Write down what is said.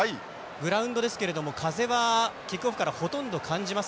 グラウンドですけれども風はキックオフからほとんど感じませんね。